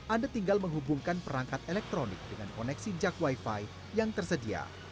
anda tinggal menghubungkan perangkat elektronik dengan koneksi jak wifi yang tersedia